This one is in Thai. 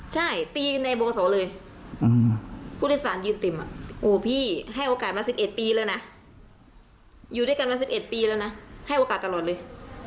ใช่ตีในโบสถ์ศาลเลย